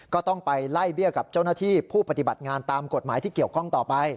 ก็ต้องไปไล่เบี้ยกับเจ้าหน้าที่ผู้ปฏิบัติงานตามกฎหมายที่เกี่ยวข้องต่อไป